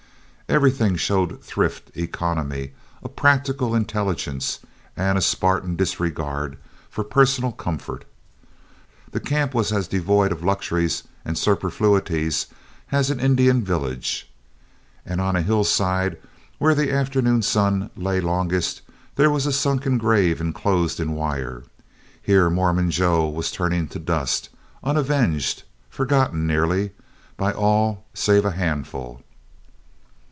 Everything showed thrift, economy, a practical intelligence and a Spartan disregard for personal comfort. The camp was as devoid of luxuries and superfluities as an Indian village. And on a hillside where the afternoon sun lay longest there was a sunken grave enclosed in wire. Here Mormon Joe was turning to dust, unavenged, forgotten nearly, by all save a handful.